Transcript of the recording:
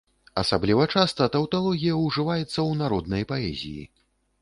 Асабліва часта таўталогія ўжываецца ў народнай паэзіі.